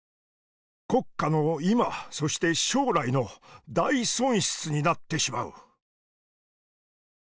国家の今そして将来の大損失になってしまう」。